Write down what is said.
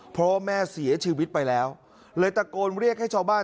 เพราะว่าแม่เสียชีวิตไปแล้วเลยตะโกนเรียกให้ชาวบ้าน